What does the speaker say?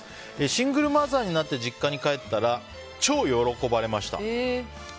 シングルマザーになって実家に帰ったら超喜ばれました。